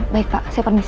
baik pak saya permisi